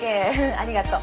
ありがとう。